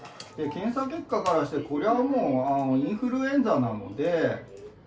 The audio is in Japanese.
検査結果からして、これはもうインフルエンザなので。